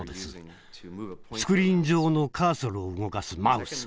スクリーン上のカーソルを動かすマウス